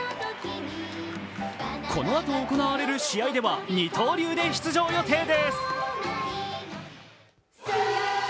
このあと行われる試合では二刀流で出場予定です。